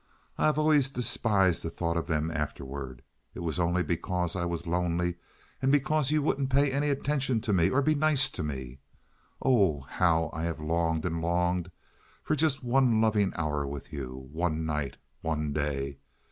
I have always despised the thought of them afterward. It was only because I was lonely and because you wouldn't pay any attention to me or be nice to me. Oh, how I have longed and longed for just one loving hour with you—one night, one day!